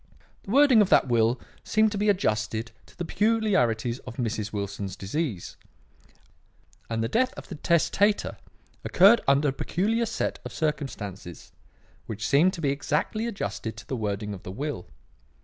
The wording of that will seemed to be adjusted to the peculiarities of Mrs. Wilson's disease; and the death of the testator occurred under a peculiar set of circumstances which seemed to be exactly adjusted to the wording of the will.